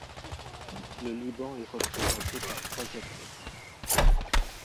Le Liban est représenté par trois athlètes.